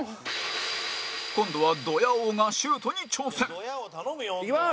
今度はドヤ王がシュートに挑戦後藤：いきます！